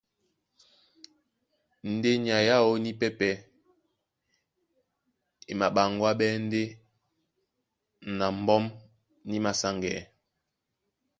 Ndé nyay aó nípɛ́pɛ̄ e maɓaŋgwáɓɛ́ ndeé na mbɔ́m ní māsáŋgɛɛ́.